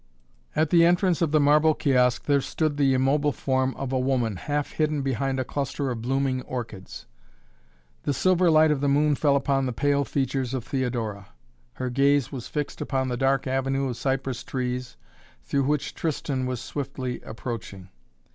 At the entrance of the marble kiosk, there stood the immobile form of a woman, half hidden behind a cluster of blooming orchids. The silver light of the moon fell upon the pale features of Theodora. Her gaze was fixed upon the dark avenue of cypress trees, through which Tristan was swiftly approaching.